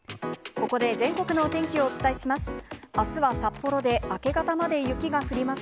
ここで全国のお天気をお伝えします。